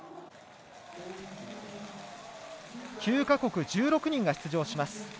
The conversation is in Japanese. ９か国１６人が出場します。